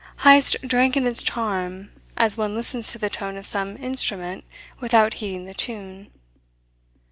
Heyst drank in its charm as one listens to the tone of some instrument without heeding the tune.